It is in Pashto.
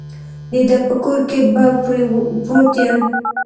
د ده په کور کې به پروت یم.